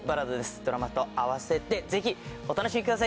ドラマとあわせてぜひお楽しみください